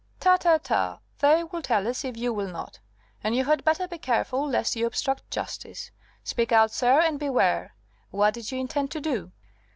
"Ta, ta, ta! They will tell us if you will not. And you had better be careful, lest you obstruct justice. Speak out, sir, and beware. What did you intend to do?"